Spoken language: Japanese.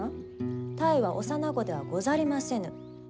泰は幼子ではござりませぬ。